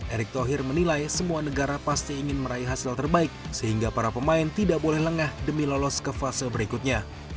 erick thohir menilai semua negara pasti ingin meraih hasil terbaik sehingga para pemain tidak boleh lengah demi lolos ke fase berikutnya